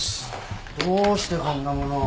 どうしてこんなもの。